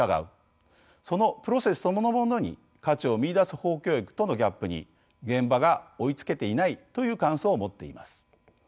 そのプロセスそのものに価値を見いだす法教育とのギャップに現場が追いつけていないという感想を持っています。